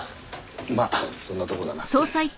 まあそんなとこだな。